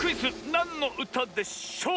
「なんのうたでしょう」